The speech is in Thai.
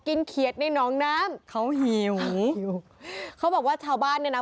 เขียดในน้องน้ำเขาหิวหิวเขาบอกว่าชาวบ้านเนี่ยนะ